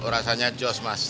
rasanya joss mas